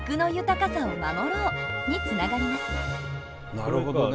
なるほどね。